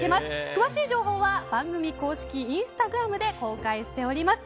詳しい情報は番組公式インスタグラムで公開しております。